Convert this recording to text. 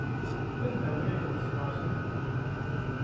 Anda ay tent-tesɣesrem?